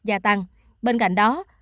gia tăng bên cạnh đó